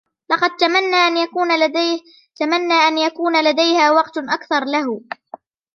لقد تمنى أن يكون لديها وقت أكثر لهُ.